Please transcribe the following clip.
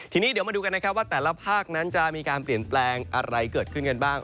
ทีนี้เดี๋ยวมาดูกันนะครับว่าแต่ละภาคนั้นจะมีการเปลี่ยนแปลงอะไรเกิดขึ้นกันบ้าง